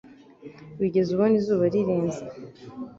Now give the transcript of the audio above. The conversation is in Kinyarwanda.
Wigeze ubona izuba rirenze?